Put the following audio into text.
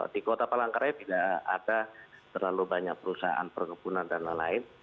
di kota palangkaraya tidak ada terlalu banyak perusahaan perkebunan dan lain lain